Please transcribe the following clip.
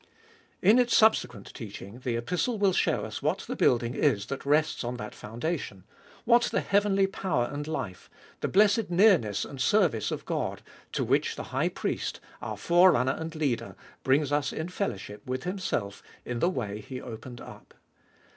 In its subsequent teaching the Epistle will show us what the building is that rests on that foundation, what the heavenly power and life, the blessed nearness and service of God, to which the High Priest, our Forerunner and Leader, brings us in fellowship with Himself in the way He opened up.